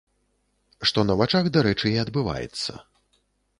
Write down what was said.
Што на вачах, дарэчы, і адбываецца.